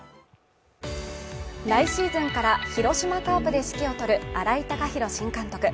来シーズンから広島カープで指揮を執る新井貴浩新監督。